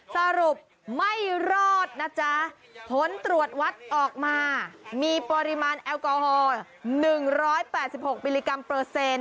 สรุปไม่รอดนะจ๊ะผลตรวจวัดออกมามีปริมาณแอลกอฮอล์๑๘๖มิลลิกรัมเปอร์เซ็นต์